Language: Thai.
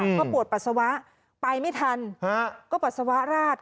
เพราะปวดปัสสาวะไปไม่ทันก็ปัสสาวะราด